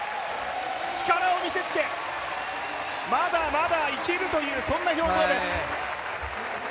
力を見せつけ、まだまだいけるという、そんな表情です。